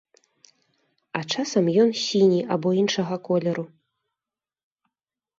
А часам ён сіні або іншага колеру.